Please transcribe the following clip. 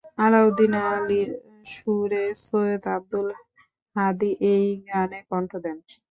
আলাউদ্দিন আলীর সুরে সৈয়দ আব্দুল হাদী এই গানে কন্ঠ দেন।